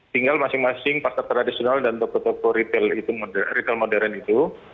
tinggal masing masing pasar tradisional dan toko toko retail modern itu